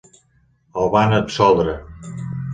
El van absoldre.